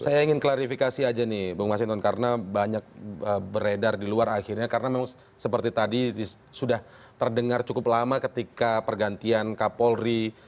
saya ingin klarifikasi aja nih bung mas hinton karena banyak beredar di luar akhirnya karena memang seperti tadi sudah terdengar cukup lama ketika pergantian kapolri